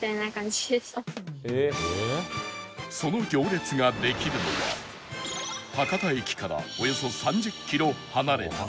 その行列ができるのは博多駅からおよそ３０キロ離れた